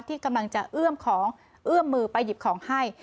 ที่กำลังจะเอื้อมของเอื้อมมือไปหยิบของให้